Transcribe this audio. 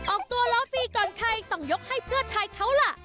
ออกตัวล้อฟรีก่อนใครต้องยกให้เพื่อไทยเขาล่ะ